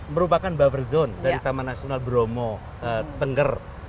merupakan buffer zone dari taman nasional bromo tengger